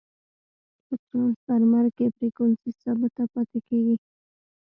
په ټرانسفرمر کی فریکوینسي ثابته پاتي کیږي.